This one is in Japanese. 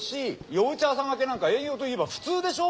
夜うち朝がけなんか営業といえば普通でしょ？